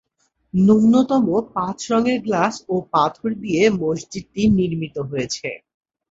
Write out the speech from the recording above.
ন্যূনতম পাঁচ রঙের গ্লাস ও পাথর দিয়ে মসজিদটি নির্মিত হয়েছে।